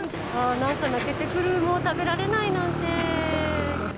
なんか泣けてくる、もう食べられないなんて。